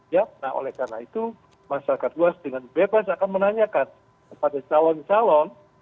ya nah oleh karena itu masyarakat luas dengan bebas akan menanyakan kepada calon calon